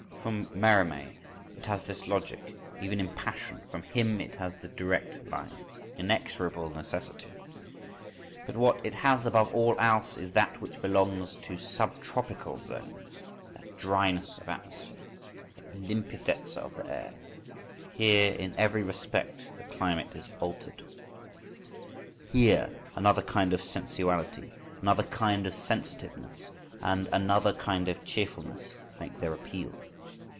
From Merimée it has this logic even in passion, from him it has the direct line, inexorable necessity, but what it has above all else is that which belongs to sub tropical zones—that dryness of atmosphere, that limpidezza of the air. Here in every respect the climate is altered. Here another kind of sensuality, another kind of sensitiveness and another kind of cheerfulness make their appeal.